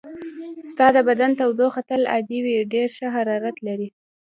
ستا د بدن تودوخه تل عادي وي، ډېر ښه حرارت لرې.